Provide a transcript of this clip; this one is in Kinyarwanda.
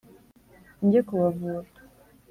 Nje kubavura.